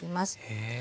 へえ。